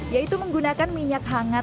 yaitu menggunakan minyak hangat